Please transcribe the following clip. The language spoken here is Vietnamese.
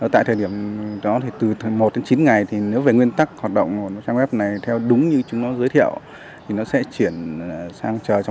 tại thời điểm đó thì từ một đến chín ngày thì nếu về nguyên tắc hoạt động trang web này theo đúng như chúng nó giới thiệu thì nó sẽ chuyển sang chờ